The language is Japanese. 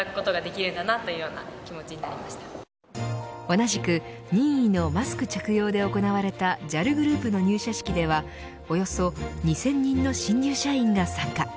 同じく任意のマスク着用で行われたＪＡＬグループの入社式ではおよそ２０００人の新入社員が参加。